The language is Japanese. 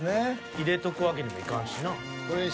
入れとくわけにもいかんしな。